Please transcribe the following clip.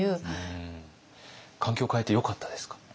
環境変えてよかったですか？